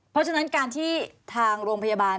เพราะฉะนั้นการที่ทางโรงพยาบาล